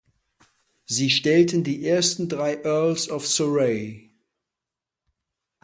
Sie stellten die ersten drei Earls of Surrey.